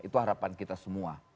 itu harapan kita semua